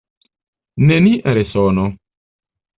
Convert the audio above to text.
Nenia resono.